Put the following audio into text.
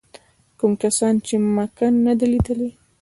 کوم کسان چې مکه نه ده لیدلې.